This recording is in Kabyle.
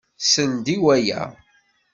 Sel-d i waya!